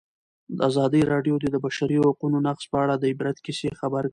ازادي راډیو د د بشري حقونو نقض په اړه د عبرت کیسې خبر کړي.